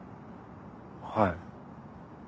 はい。